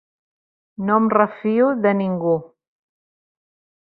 No em refio de ningú.